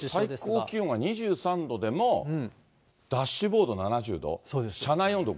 最高気温が２３度でも、ダッシュボード７０度？